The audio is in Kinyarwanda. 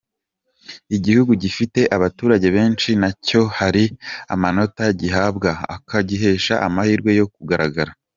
Igihugu gifite abaturage benshi na cyo hari amanota gihabwa, akagihesha amahirwe yo kugaragara.